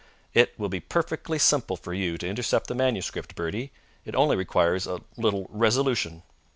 It will be perfectly simple for you to intercept the manuscript, Bertie. It only requires a little resolution."